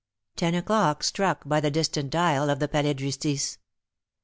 Ten o'clock struck by the distant dial of the Palais de Justice.